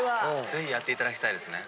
ぜひやっていただきたいですね。